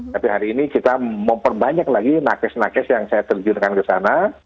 tapi hari ini kita memperbanyak lagi nakes nakes yang saya terjunkan ke sana